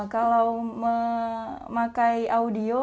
kalau memakai audio